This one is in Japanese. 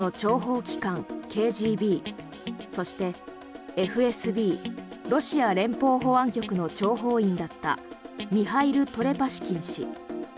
旧ソ連の諜報機関ＫＧＢそしてＦＳＢ・ロシア連邦保安局の諜報員だったミハイル・トレパシキン氏。